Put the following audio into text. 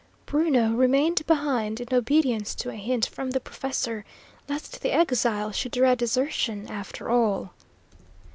Bruno remained behind, in obedience to a hint from the professor, lest the exile should dread desertion, after all.